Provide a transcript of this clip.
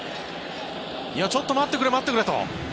ちょっと待ってくれ待ってくれと。